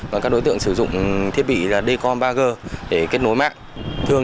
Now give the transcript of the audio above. còn các đối tượng sử dụng thiết bị là decoder